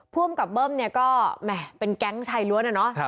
ผู้อำกับเบิ้มเนี้ยก็แหมเป็นแก๊งชายล้วนอ่ะเนอะครับ